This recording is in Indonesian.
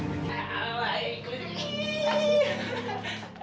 alah alah alah